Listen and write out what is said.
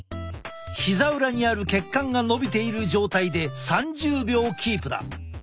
ひざ裏にある血管がのびている状態で３０秒キープだ。